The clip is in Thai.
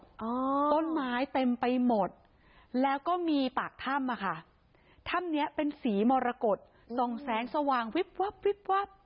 ต้นไม้เต็มไปหมดแล้วก็มีปากถ้ำค่ะถ้ำนี้เป็นสีมรกฎทรงแสงสว่างวิบวับ